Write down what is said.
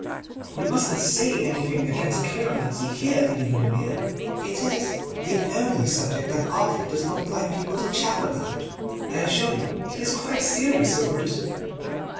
'You mustn't say anything against cheiromancy here, Lady Windermere; it is the only subject that Arthur does not like people to chaff about. I assure you he is quite serious over it.